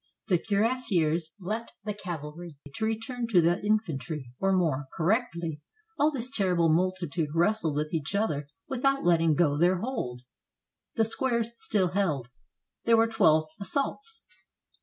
The cairassiers left the cavalry to return to the infantry, or, more correctly, all this terrible multitude wrestled with each other without letting go their hold. The squares still held. There were twelve assaults.